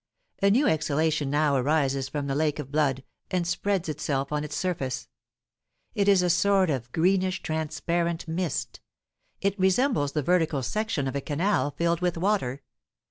A new exhalation now arises from the lake of blood, and spreads itself on its surface. It is a sort of greenish, transparent mist; it resembles the vertical section of a canal filled with water.